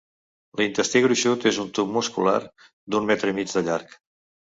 L'intestí gruixut és un tub muscular d'un metre i mig de llarg.